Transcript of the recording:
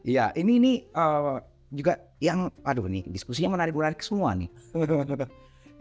iya ini juga yang aduh ini diskusinya menarik menarik semua nih